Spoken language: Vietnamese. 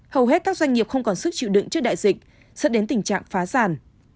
hầu hết các doanh nghiệp không còn sức chịu đựng trước đại dịch dẫn đến tình trạng phá sản